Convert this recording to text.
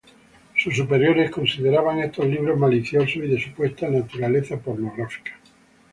Sus superiores consideraban estos libros "maliciosos" y de supuesta naturaleza pornográfica.